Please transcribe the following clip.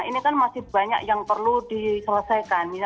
ini kan masih banyak yang perlu diselesaikan